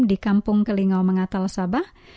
di kampung kelingau mengatal sabah